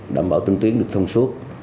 đảm bảo tinh tuyến được thông suốt